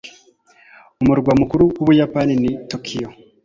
umurwa mukuru w'ubuyapani ni tokiyo